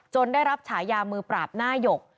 ได้รับฉายามือปราบหน้าหยก